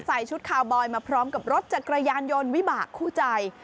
ใส่ชุดคาวบอยมาพร้อมกับรถจักรยานยนต์วิบากคู่ใจ